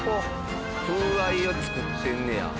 風合いを作ってんねや。